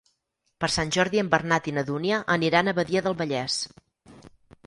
Per Sant Jordi en Bernat i na Dúnia aniran a Badia del Vallès.